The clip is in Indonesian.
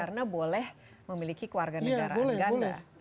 karena boleh memiliki warga negara anggar